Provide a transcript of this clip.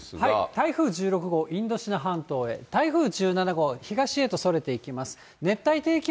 台風１６号、インドシナ半島へ、台風１７号、東へとそれていきます。